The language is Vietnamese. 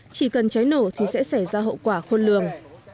chỉ cần cháy nổ thì sẽ xảy ra hậu quả khôn lường